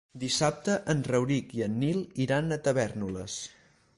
Dissabte en Rauric i en Nil iran a Tavèrnoles.